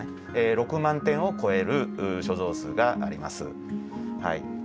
６万点を超える所蔵数があります。